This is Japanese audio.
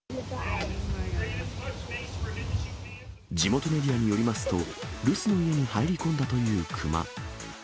地元メディアによりますと、留守の家に入り込んだというクマ。